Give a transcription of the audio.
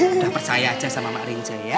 udah percaya aja sama mbak rinca ya